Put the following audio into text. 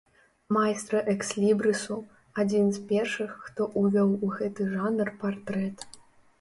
Майстра экслібрысу, адзін з першых, хто ўвёў у гэты жанр партрэт.